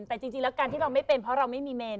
แต่จริงแล้วการที่เราไม่เป็นเพราะเราไม่มีเมน